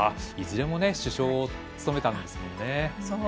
いずれも主将を務めたんですね。